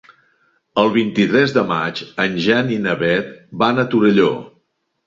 El vint-i-tres de maig en Jan i na Beth van a Torelló.